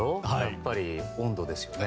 やっぱり温度ですよね。